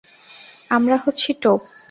আমরা হচ্ছি টোপ।